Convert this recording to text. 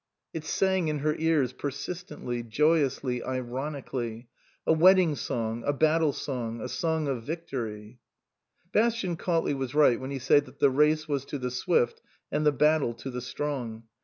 " It sang in her ears persistently, joyously, ironically a wedding song, a battle song, a song of victory. Bastian Cautley was right when he said that the race was to the swift and the battle to the strong.